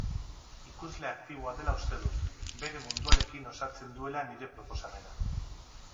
Ikusle aktiboa dela uste dut, bere munduarekin osatzen duela nire proposamena.